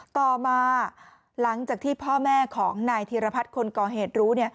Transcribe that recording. ต่อมาหลังจากที่พ่อแม่ของนายธีรพัฒน์คนก่อเหตุรู้